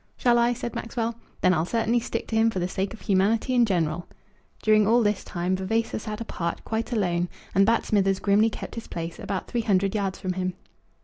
"Shall I?" said Maxwell. "Then I'll certainly stick to him for the sake of humanity in general." During all this time Vavasor sat apart, quite alone, and Bat Smithers grimly kept his place, about three hundred yards from him.